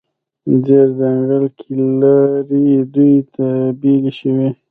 زیړ ځنګله کې لارې دوې دي، بیلې شوې